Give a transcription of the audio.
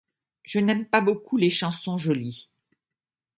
Je n'aime pas beaucoup les chansons Jolly.